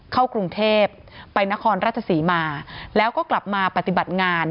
เข้ากรุงเทพไปนครราชศรีมาแล้วก็กลับมาปฏิบัติงาน